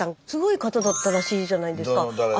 すごい方だったらしいじゃないですか。